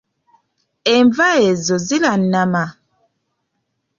Enva ezo zirannama.